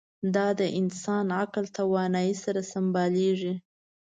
دا د انسان عقل توانایۍ سره سمبالېږي.